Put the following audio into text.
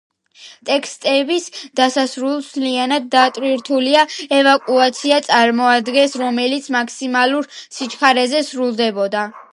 ტესტირების დასასრულს მთლიანად დატვირთული ევაკუაცია წარმოადგენდა, რომელიც მაქსიმალურ სიჩქარეზე სრულდებოდა.